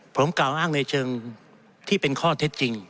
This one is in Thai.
ผมกล่าวอ้างในเชิงที่เป็นข้อเท็จจริง